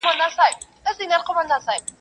خو نارې سوې چي بم ټوله ورځ ویده وي.